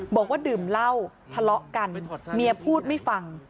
บอกว่าดื่มเหล้าทะเลาะกันเมียพูดไม่ฟัง